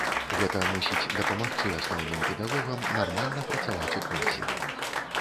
Гэта мусіць дапамагчы асноўным педагогам нармальна працаваць у класе.